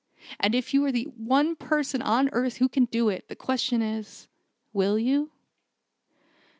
And if you are the one person on earth who can do it, the question is will you?"